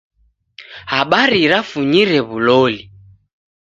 Habari rafunyire w'uloli.